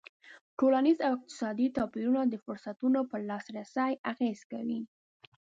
ټولنیز او اقتصادي توپیرونه د فرصتونو پر لاسرسی اغېز کوي.